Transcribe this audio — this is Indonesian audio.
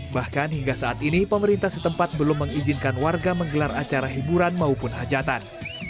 bahkan hingga saat ini pemerintah setempat belum mengizinkan warga menggelar acara hiburan maupun hajatan